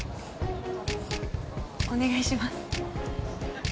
お願いします。